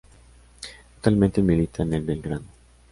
Actualmente milita en el Belgrano.